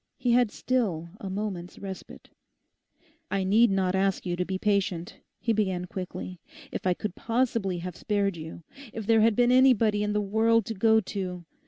He had still a moment's respite. 'I need not ask you to be patient,' he began quickly; 'if I could possibly have spared you—if there had been anybody in the world to go to...